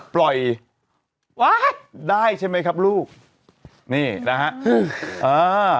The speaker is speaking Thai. ปล่อยว้าได้ใช่ไหมครับลูกนี่นะฮะอ่า